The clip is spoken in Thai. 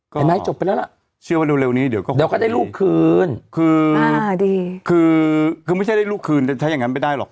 เห็นไหมจบไปแล้วล่ะเชื่อว่าเร็วนี้เดี๋ยวก็เดี๋ยวก็ได้ลูกคืนคือไม่ใช่ได้ลูกคืนจะใช้อย่างนั้นไม่ได้หรอก